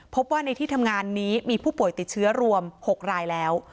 พบว่าในที่ทำงานนี้มีผู้ป่วยติดเชื้อรวม๖รายแล้ว